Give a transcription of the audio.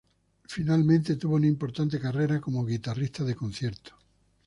Finalmente, tuvo una importante carrera como guitarrista de concierto.